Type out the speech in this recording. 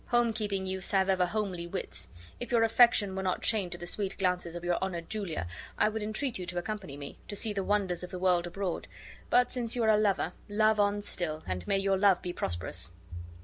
Home keeping youths have ever homely wits. If your affection were not chained to the sweet glances of your honored Julia, I would entreat you to accompany me, to see the wonders of the world abroad; but since you are a lover, love on still, and may your love be prosperous!"